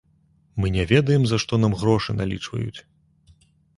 Мы не ведаем, за што нам грошы налічваюць.